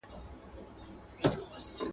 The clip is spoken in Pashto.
شاه محمود د پښتنو د تاریخ یو زرین فصل دی.